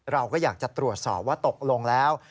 เราก็อยากจะตรวจสอบว่าตกลงแล้ว